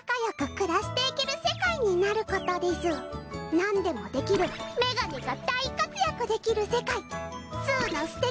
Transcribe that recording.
なんでもできるメガネが大活躍できる世界。